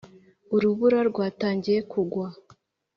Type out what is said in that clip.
urubura rwatangiye kugwa